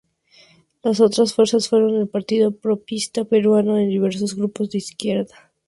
Las otras fuerzas fueron el Partido Aprista Peruano y diversos grupos de izquierda.